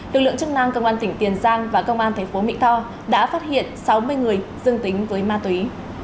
lực lượng chức năng công an tỉnh tiền giang và công an tp mỹ tho đã phát hiện sáu mươi người dương tính với ma túy